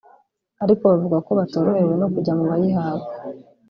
ariko bavuga ko batorohewe no kujya mu bayihabwa